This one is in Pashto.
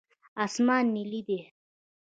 اسمان نیلي دی.